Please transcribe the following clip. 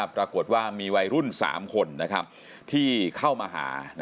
ปรากฏว่ามีวัยรุ่น๓คนที่เข้ามาหา